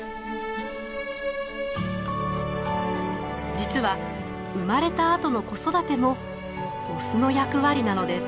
実は生まれた後の子育てもオスの役割なのです。